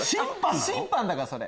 審判だからそれ。